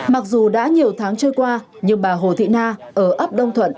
mặc dù đã nhiều tháng trôi qua nhưng bà hồ thị na ở ấp đông thuận